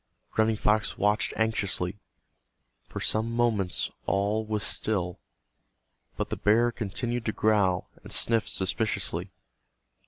Running Fox watched anxiously. For some moments all was still, but the bear continued to growl, and sniff suspiciously.